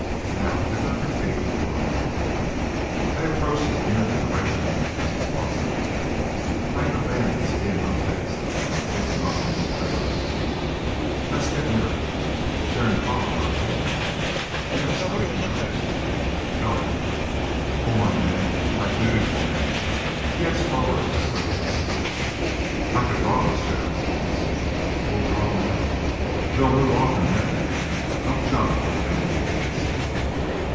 "Now pick up your feet and run." They approached as near to the regiment as was possible. The clank of bayonets being unfixed made Dick's nostrils quiver. "Let's get nearer. They're in column, aren't they?" "Yes. How did you know?" "Felt it. Oh, my men!—my beautiful men!" He edged forward as though he could see. "I could draw those chaps once. Who'll draw 'em now?" "They'll move off in a minute. Don't jump when the band begins."